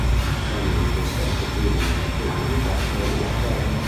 Quando le autorità scoprirono la sua identità, la rilasciarono.